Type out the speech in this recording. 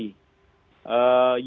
dan yang ketiga dalam aspek ponisi